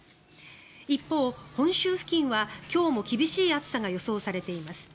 一方、本州付近は今日も厳しい暑さが予想されています。